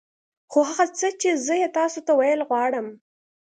خو هغه څه چې زه يې تاسو ته ويل غواړم.